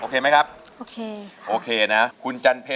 ฮือฮือฮือฮือ